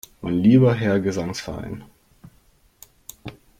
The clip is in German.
Mein lieber Herr Gesangsverein!